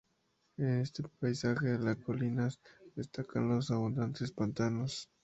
En este paisaje de colinas destacan los abundantes pantanos.